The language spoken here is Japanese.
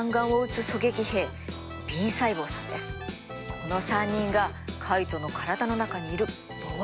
この３人がカイトの体の中にいる防衛隊です。